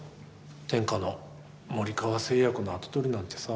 天下の森川製薬の跡取りなんてさ。